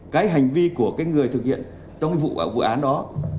cái hành vi của cái người thực hiện trong cái vụ án đó